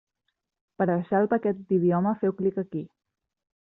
Per a baixar el paquet d'idioma feu clic aquí.